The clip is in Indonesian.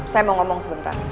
saya mau ngomong sebentar